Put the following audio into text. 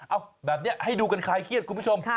เอาแบบนี้ให้ดูกันคลายเครียดคุณผู้ชม